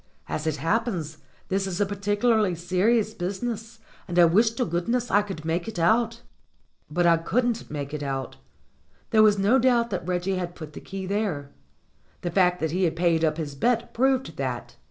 "As it happens, this is a particularly serious business, and I wish to goodness I could make it out." But I couldn't make it out. There was no doubt that Reggie had put the key there ; the fact that he paid up his bet proved that.